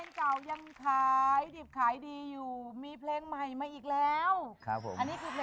ขาดค้ายดิบขายดีอยู่มีเพลงใหม่มาอีกแล้ว